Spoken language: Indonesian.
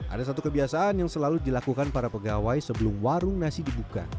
ada satu kebiasaan yang selalu dilakukan para pegawai sebelum warung nasi dibuka